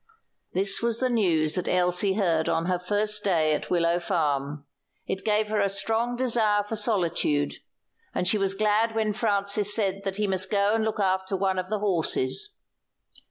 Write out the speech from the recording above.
This was the news that Elsie heard on her first day at Willow Farm. It gave her a strong desire for solitude, and she was glad when Francis said that he must go and look after one of the horses.